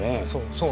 そう。